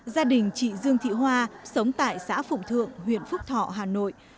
gia đình chị dương thị hoa sống tại xã phụng thượng huyện phúc thọ hà nội